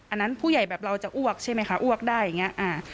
อันนั้นผู้ใหญ่แบบเราจะอ้วกใช่ไหมคะอ้วกได้อย่างนี้